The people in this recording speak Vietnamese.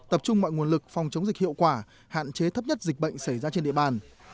tập trung mọi nguồn lực phòng chống dịch hiệu quả hạn chế thấp nhất dịch bệnh xảy ra trên địa bàn